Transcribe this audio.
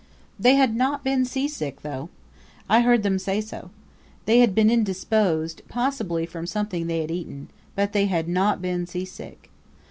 They had not been seasick, though. I heard them say so. They had been indisposed, possibly from something they had eaten; but they had not been seasick.